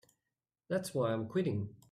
That's why I'm quitting.